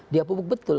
dia pupuk betul